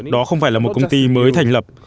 đó không phải là một công ty mới thành lập